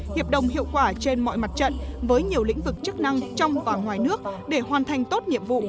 hiệp đồng hiệu quả trên mọi mặt trận với nhiều lĩnh vực chức năng trong và ngoài nước để hoàn thành tốt nhiệm vụ